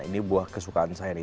ini buah kesukaan saya nih